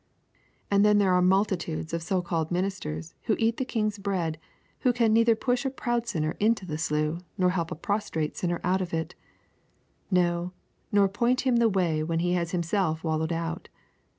And then there are multitudes of so called ministers who eat the King's bread who can neither push a proud sinner into the slough nor help a prostrate sinner out of it; no, nor point him the way when he has himself wallowed out.